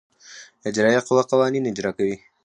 اجرائیه قوه قوانین اجرا کوي.